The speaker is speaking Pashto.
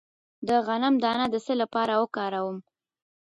د غنم دانه د څه لپاره وکاروم؟